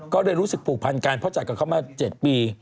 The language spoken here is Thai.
ก็เลยรู้สึกผูกพันกันเพราะจัดกับเขามา๗ปี